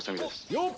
よっ！